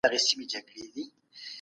ټنبلي انسان د بې وزلۍ خواته بیايي.